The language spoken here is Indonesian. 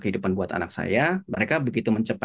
kehidupan buat anak saya mereka begitu mencapai